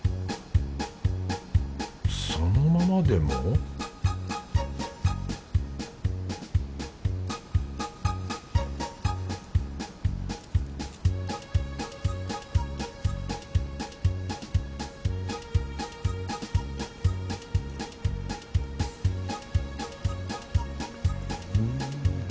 そのままでも？ふん。